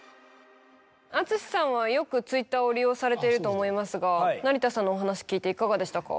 淳さんはよくＴｗｉｔｔｅｒを利用されていると思いますが成田さんのお話聞いていかがでしたか？